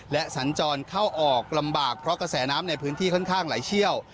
และสัญจรเข้าออกลำบากเพราะกระแสน้ำในพื้นที่ค่อนข้างไหลเชี่ยว